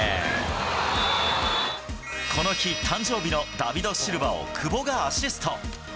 この日、誕生日のダビド・シルバを久保がアシスト。